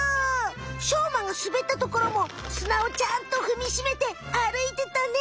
しょうまがすべったところもすなをちゃんとふみしめてあるいてたね。